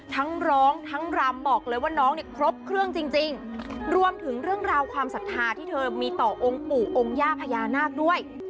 ทั้งร้องทั้งรำบอกเลยว่าน้องเนี่ยครบเครื่องจริงจริงรวมถึงเรื่องราวความศรัทธาที่เธอมีต่อองค์ปู่องค์ย่าพญานาคด้วย